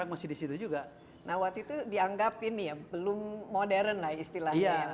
nah waktu itu dianggap ini ya belum modern lah istilahnya